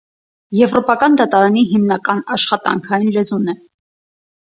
Եվրոպական դատարանի հիմնական աշխատանքային լեզուն է։